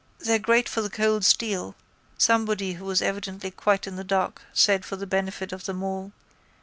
—They're great for the cold steel, somebody who was evidently quite in the dark said for the benefit of them all.